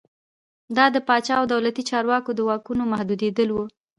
دا د پاچا او دولتي چارواکو د واکونو محدودېدل و.